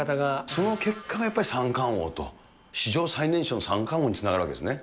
その結果がやっぱり三冠王と、史上最年少の三冠王につながるわけですね。